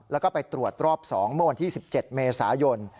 แล้วก็ไปตรวจรอบ๒เมื่อวันที่๑๗เมษายน